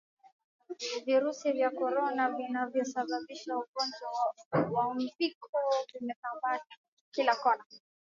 virusi vya corona vinavyosababisha ugonjwa wa Uviko vimesamba kila kona